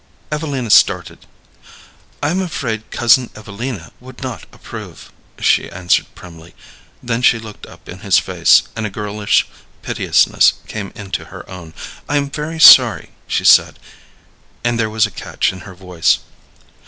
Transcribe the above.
Evelina started. "I am afraid Cousin Evelina would not approve," she answered, primly. Then she looked up in his face, and a girlish piteousness came into her own. "I am very sorry," she said, and there was a catch in her voice.